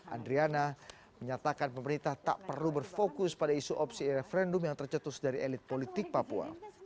andriana menyatakan pemerintah tak perlu berfokus pada isu opsi referendum yang tercetus dari elit politik papua